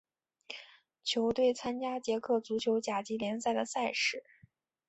球队参加捷克足球甲级联赛的赛事。